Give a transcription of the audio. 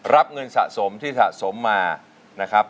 รับเงินสะสมที่สะสมมา